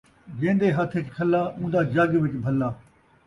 جین٘دے ہتھ ءِچ کھلا ، اون٘دا جڳ وچ بھلا